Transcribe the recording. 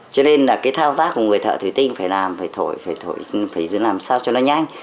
cho nên là cái thao tác của người thợ thủy tinh phải làm phải thổi phải thổi phải làm sao cho nó nhanh